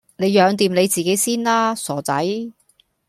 你養掂你自己先啦，傻仔